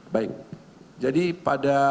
baik jadi pada